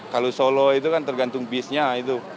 kalau solo itu kan tergantung bisnya itu